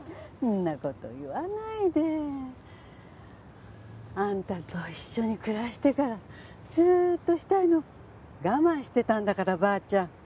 そんな事言わないで。あんたと一緒に暮らしてからずーっとしたいの我慢してたんだからばあちゃん。